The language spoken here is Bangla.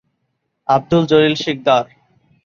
আবদুল জলিল শিকদার